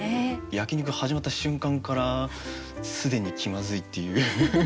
焼き肉始まった瞬間から既に気まずいっていう。